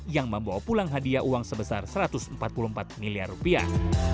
yang membawa pulang hadiah uang sebesar satu ratus empat puluh empat miliar rupiah